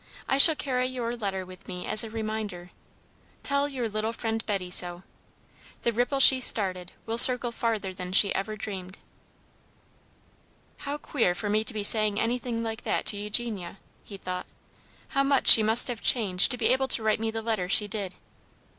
I shall carry your letter with me as a reminder. Tell your little friend Betty so. The ripple she started will circle farther than she ever dreamed." "How queer for me to be saying anything like that to Eugenia," he thought. "How much she must have changed to be able to write me the letter she did."